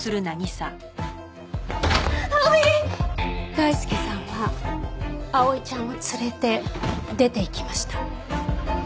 大輔さんは碧唯ちゃんを連れて出ていきました。